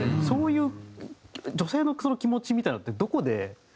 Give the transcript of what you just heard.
そういう女性の気持ちみたいなのってどこで？